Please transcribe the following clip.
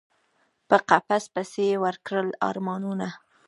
په قفس پسي یی وکړل ارمانونه